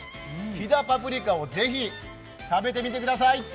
飛騨パプリカをぜひ食べてみてください！